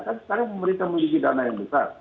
kan sekarang pemerintah memiliki dana yang besar